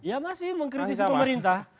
ya masih mengkritisi pemerintah